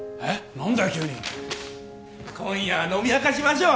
何だよ急に今夜は飲みあかしましょう！